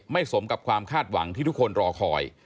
สมกับความคาดหวังที่ทุกคนรอคอย